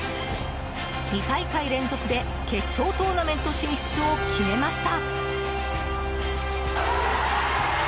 ２大会連続で決勝トーナメント進出を決めました。